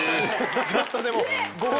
ちょっとでも。